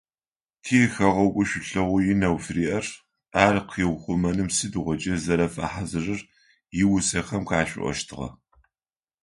Тихэгъэгу шӏулъэгъу инэу фыриӏэр, ар къыухъумэным сыдигъокӏи зэрэфэхьазырыр иусэхэм къащиӏощтыгъэ.